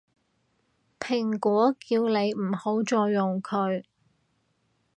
蘋果叫你唔好再用佢